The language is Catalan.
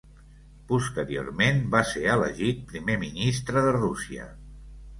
Posteriorment va ser elegit Primer Ministre de Rússia.